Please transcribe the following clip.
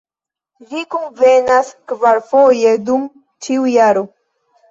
Ĝi kunvenas kvarfoje dum ĉiu jaro.